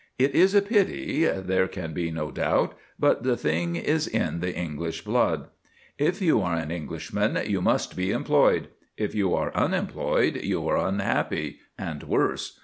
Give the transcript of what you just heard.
It is a pity, there can be no doubt; but the thing is in the English blood. If you are an Englishman, you must be employed; if you are unemployed, you are unhappy, and worse.